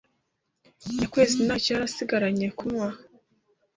Nyakwezi ntacyo yari asigaranye kunywa.